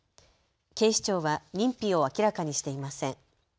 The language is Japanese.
警視庁は認否を明らかにしていません。